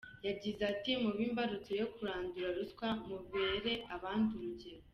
Yagize ati “Mube imbarutso yo kurandura ruswa mubere abandi urugero.